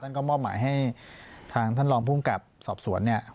ก็มอบหมายให้ทางท่านรองภูมิกับสอบสวนเนี่ย